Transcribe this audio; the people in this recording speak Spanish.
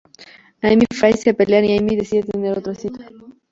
Amy y Fry se pelean y Amy decide tener otra cita.